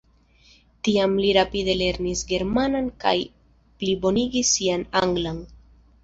Tiam li rapide lernis germanan kaj plibonigis sian anglan.